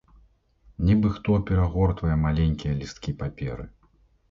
Нібы хто перагортвае маленькія лісткі паперы.